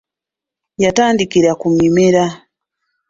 Yatandikira ku Mimera.